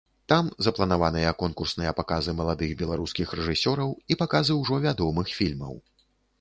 Там запланаваныя конкурсныя паказы маладых беларускіх рэжысёраў і паказы ўжо вядомых фільмаў.